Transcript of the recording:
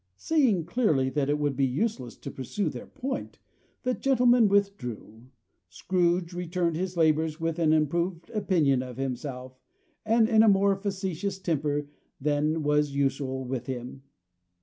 Seeing clearly that it would be useless to pursue their point, the gentlemen withdrew. Scrooge resumed his labors with an improved opinion of himself, and in a more facetious temper than was usual with him.